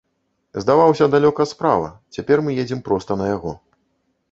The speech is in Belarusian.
Здаваўся далёка справа, цяпер мы едзем проста на яго.